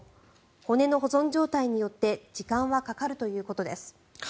骨の保存状態によって時間はかかるということです。